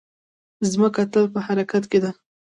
مځکه تل په حرکت کې ده.